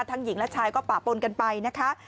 หญิงและชายก็ปะปนกันไปนะคะ